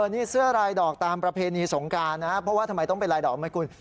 นี่เสื้อลายดอกตามประเพณีสงการนะเพราะว่าทำไมต้องเป็นลายดอกไหมคุณ